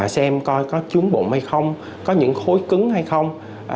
xem coi có chuốn bụng hay không có những khối cứng hay không